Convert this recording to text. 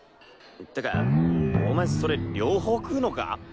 てかお前それ両方食うのか？